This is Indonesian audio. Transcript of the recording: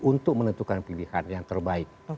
tapi kita harus menentukan pilihan yang terbaik